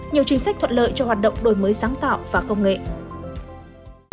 nhiều chính sách thuận lợi cho hoạt động đổi mới sáng tạo và công nghệ